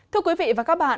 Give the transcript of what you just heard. thưa quý vị và các bạn